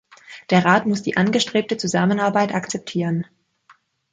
Der Rat muss die angestrebte Zusammenarbeit akzeptieren.